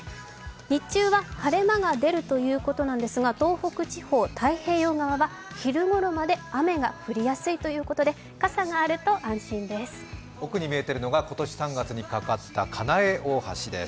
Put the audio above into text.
日中は晴れ間が出るということなんですが、東北地方太平洋側は昼ごろまで雨が降りやすいということで傘があると安心です。